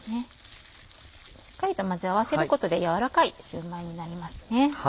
しっかりと混ぜ合わせることでやわらかいシューマイになります。